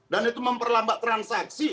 dan itu memperlambat transaksi